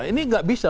ini tidak bisa